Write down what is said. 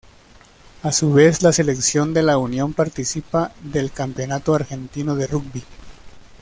A su vez la selección de la unión participa del Campeonato Argentino de Rugby.